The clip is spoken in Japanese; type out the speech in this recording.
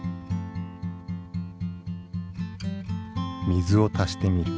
水を足してみる。